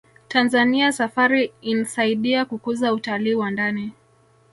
tanzania safari insaidia kukuza utalii wa ndani